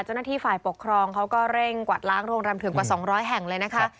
เจ้าหน้าที่ฝ่ายปกครองเขาก็เร่งกวาดล้างโรงแรมถึงกว่า๒๐๐แห่งเลยนะคะ